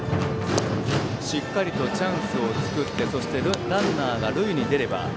しっかりチャンスを作ってランナーが塁に出れば。